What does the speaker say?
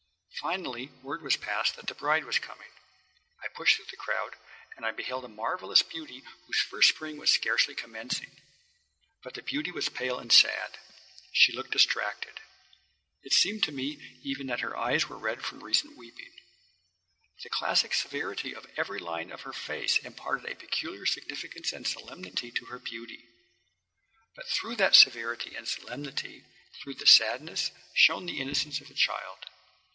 Finally word was passed that the bride was coming. I pushed through the crowd, and I beheld a marvellous beauty whose first spring was scarcely commencing. But the beauty was pale and sad. She looked distracted. It seemed to me even that her eyes were red from recent weeping. The classic severity of every line of her face imparted a peculiar significance and solemnity to her beauty. But through that severity and solemnity, through the sadness, shone the innocence of a child.